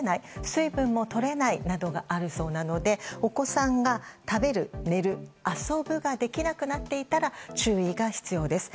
水分も取れないなどがあるそうなのでお子さんが、食べる、寝る遊ぶができなくなっていたら注意が必要です。